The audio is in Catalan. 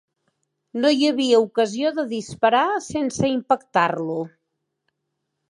No hi havia ocasió de disparar sense impactar-lo.